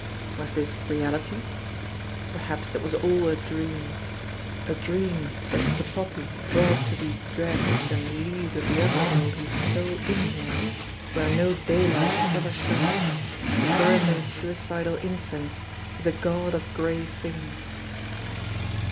Was this reality ? Per haps it was all a dream a dream such as the poppy brought to these dregs and lees of the underworld who stole in here, where no daylight had ever shone, to burn their suicidal in cense to the God of Gray Things